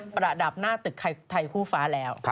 ประดับหน้าตึกไทยคู่ฟ้าแล้ว